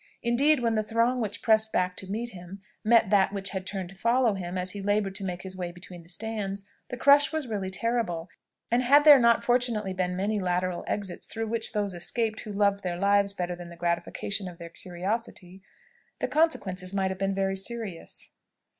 Indeed when the throng which pressed back to meet him, met that which had turned to follow him as he laboured to make his way between the stands, the crush was really terrible; and had there not fortunately been many lateral exits through which those escaped who loved their lives better than the gratification of their curiosity, the consequences might have been very serious.